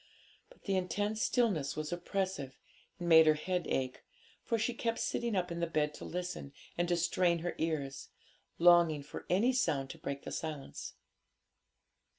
But the intense stillness was oppressive, and made her head ache, for she kept sitting up in the bed to listen, and to strain her ears, longing for any sound to break the silence.